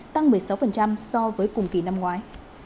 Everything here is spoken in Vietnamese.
tăng một mươi sáu so với cùng kỳ năm ngoái